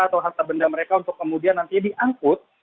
atau harta benda mereka untuk kemudian nantinya diangkut